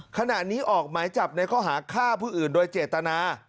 ขณะนี้ออกหมายจับในข้อหาฆ่าผู้อื่นโดยเจตนา